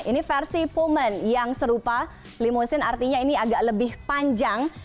ini versi pulmen yang serupa limusin artinya ini agak lebih panjang